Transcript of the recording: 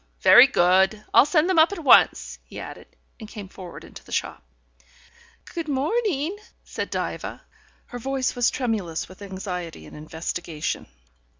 Very good. I'll send them up at once," he added, and came forward into the shop. "Good morning," said Diva. Her voice was tremulous with anxiety and investigation.